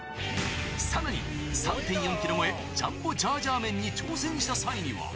さらに３．４キロ超え、ジャンボジャージャー麺に挑戦した際には。